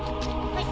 はい。